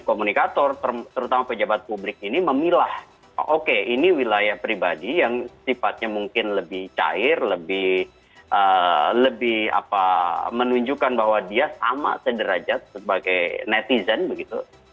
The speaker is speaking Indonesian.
komunikator terutama pejabat publik ini memilah oke ini wilayah pribadi yang sifatnya mungkin lebih cair lebih menunjukkan bahwa dia sama sederajat sebagai netizen begitu